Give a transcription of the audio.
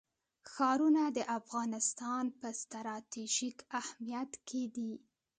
ښارونه د افغانستان په ستراتیژیک اهمیت کې دي.